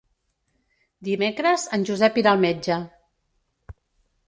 Dimecres en Josep irà al metge.